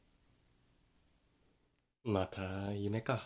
また夢か。